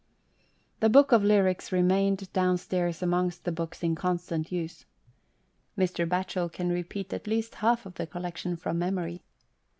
The book of Lyrics remained downstairs amongst the books in constant use. Mr. Batchel can repeat at least half of the collection from memory.